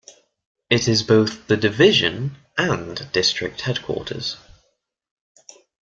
It is both the division and district headquarters.